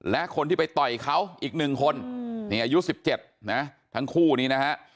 และคนที่ไปต่อยเขาอีก๑คนนี่อายุ๑๗นะทั้งคู่นี้นะฮะ